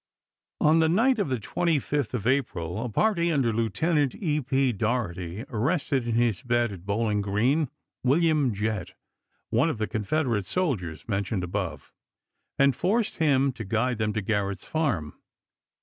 On the night of the 25th of April a party under Lieutenant E. P. Doherty arrested, in his bed at Bowling Green, William Jett, one of the Confeder ate soldiers mentioned above, and forced him to guide them to Garrett's farm.